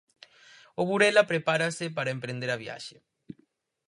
O Burela prepárase para emprender a viaxe.